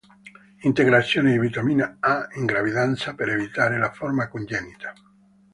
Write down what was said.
Integrazione di vitamina A in gravidanza per evitare la forma congenita.